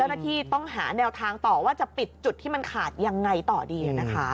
แล้วนักที่ต้องหาแนวทางต่อว่าจะปิดจุดที่มันขาดอย่างไรต่อดี